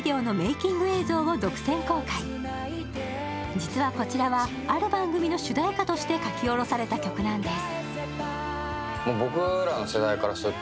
実はこちらはある番組の主題歌として書き下ろされたものなんです。